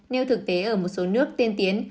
nêu thực tế ở một số nước tiên tiến